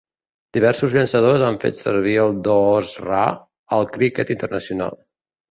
Diversos llançadors han fet servir el doosra al criquet internacional.